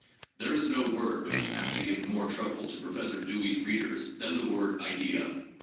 There is no word which is apt to give more trouble to Professor Dewey's readers than the word "idea."